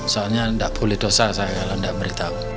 soalnya gak boleh dosa saya kalau gak beritahu